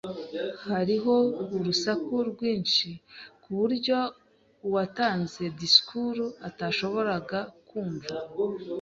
Hariho urusaku rwinshi kuburyo uwatanze disikuru atashoboraga kumva.